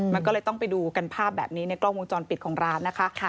มันก็เลยต้องไปดูกันภาพแบบนี้ในกล้องวงจรปิดของร้านนะคะ